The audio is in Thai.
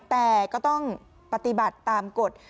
แต่ก็ต้องปฏิบัติตามกฎ